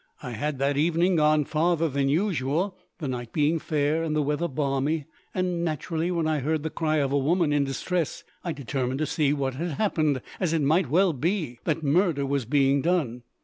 I had, that evening, gone farther than usual, the night being fair and the weather balmy, and naturally, when I heard the cry of a woman in distress, I determined to see what had happened, as it might well be that murder was being done."